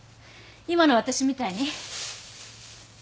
今の私みたいに。